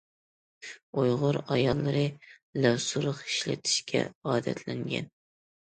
ئۇيغۇر ئاياللىرى لەۋ سۇرۇخ ئىشلىتىشكە ئادەتلەنگەن.